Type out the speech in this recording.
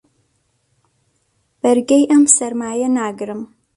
بەرگەی ئەم سەرمایە ناگرم.